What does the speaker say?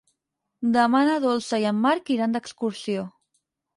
Demà na Dolça i en Marc iran d'excursió.